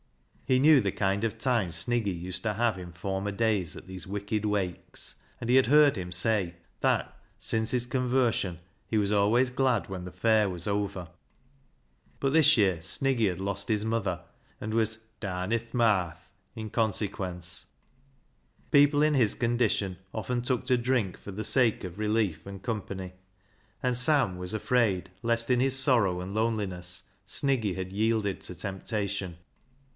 He knew the kind of time Sniggy used to have in former days at these wicked Wakes. And he had heard him say that, since his conversion, he was always glad when the fair was over. But this year Sniggy had lost his mother, and was " daan i' th' maath " in con sequence. People in his condition often took to drink for the sake of relief and company, and Sam was afraid lest, in his sorrow and loneliness, Sniggy had yielded to temptation.